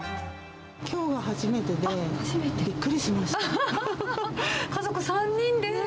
きょうが初めてでびっくりし家族３人で？